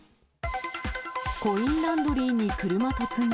コインランドリーに車突入。